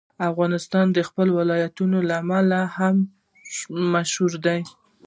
افغانستان د خپلو ولایتونو له امله هم مشهور دی.